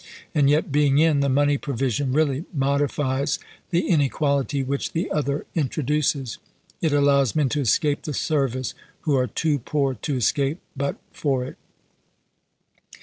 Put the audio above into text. And yet being in, the money provision really modifies the in equality which the other introduces. It allows men to escape the service who are too poor to es cape but for it.